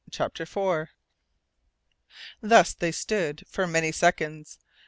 CHAPTER FOUR Thus they stood for many seconds.